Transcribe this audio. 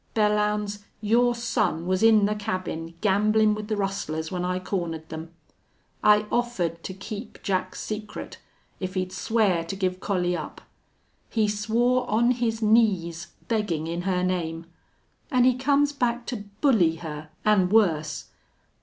Belllounds, your son was in the cabin gamblin' with the rustlers when I cornered them.... I offered to keep Jack's secret if he'd swear to give Collie up. He swore on his knees, beggin' in her name!... An' he comes back to bully her, an' worse....